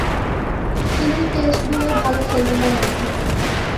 তিনি টেস্টগুলোয় ভালো খেলতে পারেননি।